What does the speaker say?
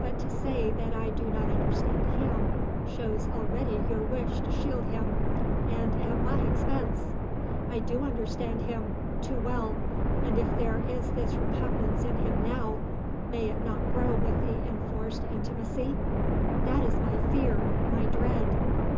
But to say that I do not understand him shows already your wish to shield him, and at my expense. I do understand him; too well. And if there is this repugnance in him now, may it not grow with the enforced intimacy? That is my fear, my dread."